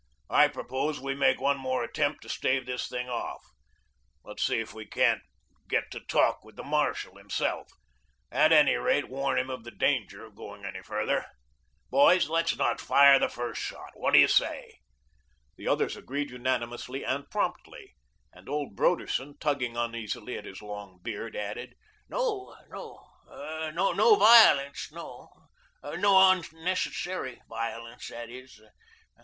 I propose we make one more attempt to stave this thing off. Let's see if we can't get to talk with the marshal himself; at any rate, warn him of the danger of going any further. Boys, let's not fire the first shot. What do you say?" The others agreed unanimously and promptly; and old Broderson, tugging uneasily at his long beard, added: "No no no violence, no UNNECESSARY violence, that is.